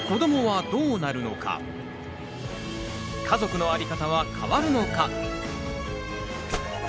家族のあり方は変わるのか？